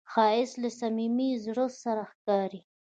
ښایست له صمیمي زړه سره ښکاري